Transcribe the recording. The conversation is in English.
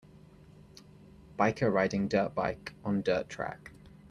Biker riding dirt bike on dirt track